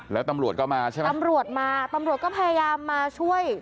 แล้วตำรวจก็มาใช่ไหมตำรวจมาตำรวจก็พยายามมาช่วย